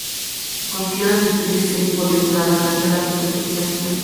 Consiguió dos victorias y seis podios, para alcanzar la quinta posición final.